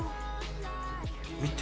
見て。